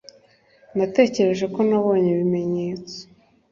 natekereje ko nabonye ibimenyetso -